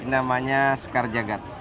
namanya sekar jagad